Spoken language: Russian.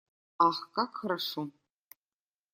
Ах, как хорошо!